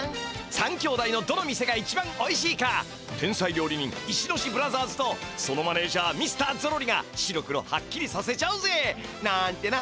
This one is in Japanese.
三兄弟のどの店が一番おいしいか天才料理人イシノシブラザーズとそのマネージャーミスターゾロリが白黒はっきりさせちゃうぜ！なんてな。